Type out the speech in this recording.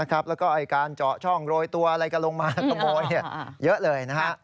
แล้วก็การเจาะช่องโรยตัวอะไรกันลงมาขโมยเยอะเลยนะฮะ